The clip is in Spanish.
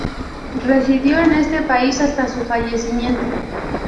Residió en este país hasta su fallecimiento.